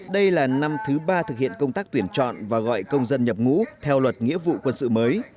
đây là năm thứ ba thực hiện công tác tuyển chọn và gọi công dân nhập ngũ theo luật nghĩa vụ quân sự mới